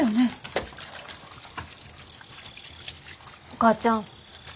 お母ちゃん。